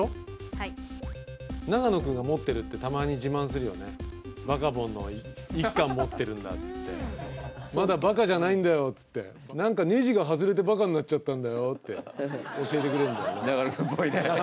はい長野君が持ってるってたまに自慢するよね「バカボン」の１巻持ってるんだっつって「まだバカじゃないんだよ」って「何かネジが外れてバカになっちゃったんだよ」って教えてくれるんだよな